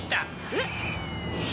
えっ？